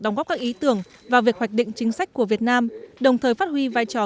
đóng góp các ý tưởng vào việc hoạch định chính sách của việt nam đồng thời phát huy vai trò